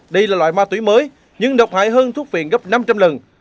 đây là loại ma túy mới nhưng độc hại hơn thuốc phiện gấp năm trăm linh lần